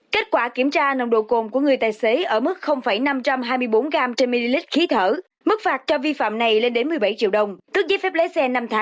kết quả kiểm tra nồng độ cồn của người tài xế ở mức năm trăm hai mươi bốn g trên ml khí thở mức phạt cho vi phạm này lên đến một mươi bảy triệu đồng tước giấy phép lấy xe năm tháng và tạm giữ xe bảy ngày